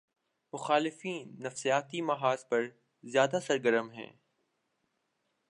مخالفین نفسیاتی محاذ پر زیادہ سرگرم ہیں۔